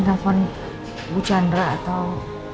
telepon bu chandra atau